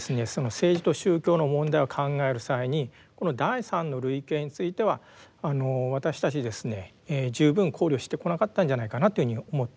政治と宗教の問題を考える際にこの第三の類型についてはあの私たちですね十分考慮してこなかったんじゃないかなっていうふうに思っております。